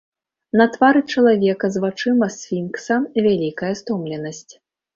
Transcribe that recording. На твары чалавека з вачыма сфінкса вялікая стомленасць.